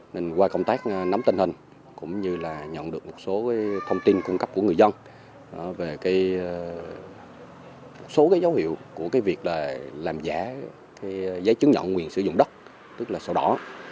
nên qua công tác nắm tình hình cũng như là nhận được một số thông tin cung cấp của người dân về một số dấu hiệu của việc làm giả giấy chứng nhận quyền sử dụng đất tức là sổ đỏ